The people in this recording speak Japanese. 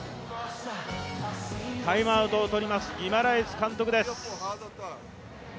タイムアウトを取ります、ギマラエス監督です。